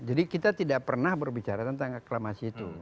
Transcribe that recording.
jadi kita tidak pernah berbicara tentang aklamasi itu